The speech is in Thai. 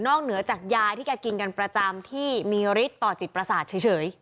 เหนือจากยาที่แกกินกันประจำที่มีฤทธิ์ต่อจิตประสาทเฉย